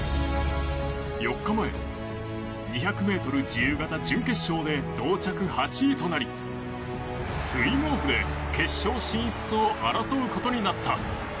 ４日前、２００ｍ自由形準決勝で同着８位となりスイムオフで決勝進出を争うことになった。